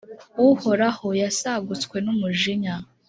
Uhoraho yasagutswe n’umujinya,